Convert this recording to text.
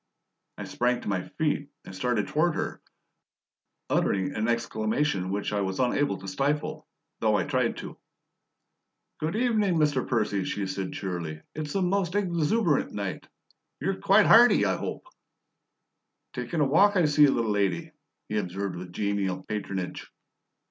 I sprang to my feet and started toward her, uttering an exclamation which I was unable to stifle, though I tried to. "Good evening, Mr. Percy," she said cheerily. "It's the most EXUBERANT night. YOU'RE quite hearty, I hope?" "Takin' a walk, I see, little lady," he observed with genial patronage.